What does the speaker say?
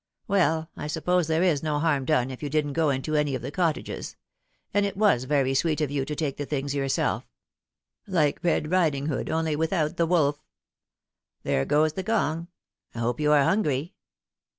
Well, I suppose there is no harm done if you didn't go into any of the cottages ; and it was very sweet of you to take the things yourself ; like Red Biding Hood, only without the wolf. There goes the gong. I hope you are hungry."